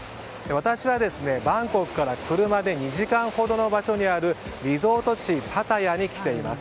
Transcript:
私はバンコクから車で２時間ほどの場所にあるリゾート地、パタヤに来ています。